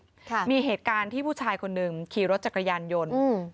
ค่ะมีเหตุการณ์ที่ผู้ชายคนหนึ่งขี่รถจักรยานยนต์อืม